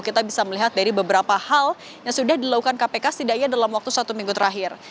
kita bisa melihat dari beberapa hal yang sudah dilakukan kpk setidaknya dalam waktu satu minggu terakhir